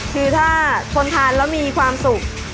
คือถ้าคนทานแล้วมีความสุข